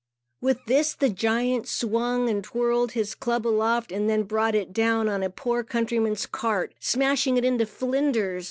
With this, the giant swung and twirled his club aloft and then brought it down on a poor countryman's cart, smashing it into flinders.